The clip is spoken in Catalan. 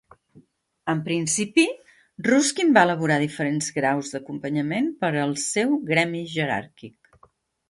En principi, Ruskin va elaborar diferents graus "d'acompanyament" per al seu gremi jeràrquic.